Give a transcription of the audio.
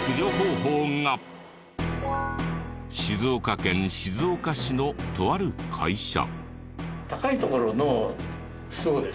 静岡県静岡市のとある会社。